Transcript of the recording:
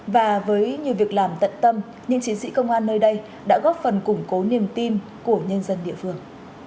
và với nhiều việc làm tận tâm những chiến sĩ công an nơi đây đã góp phần củng cố niềm tin của nhân dân địa phương